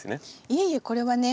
いえいえこれはね